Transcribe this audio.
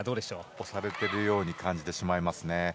押されてるように感じてしまいますね。